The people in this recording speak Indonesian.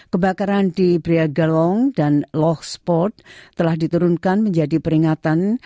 kebakaran di bria galong dan lohsport telah diturunkan menjadi peringatan